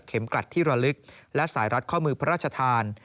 กรัดที่ระลึกและสายรัดข้อมือพระราชทาน